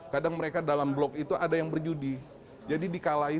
kadang mereka dalam blok penutup kadang mereka di depan kanan kanan kanan kanan dan kecil